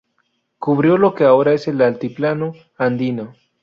Cubrió lo que ahora es el altiplano andino.